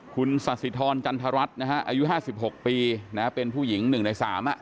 คุณสาธิธรณจันทรัสอายุ๕๖ปีเป็นผู้หญิง๑ใน๓